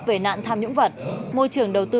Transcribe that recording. về nạn tham nhũng vật môi trường đầu tư